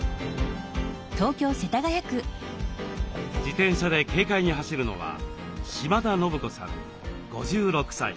自転車で軽快に走るのは島田信子さん５６歳。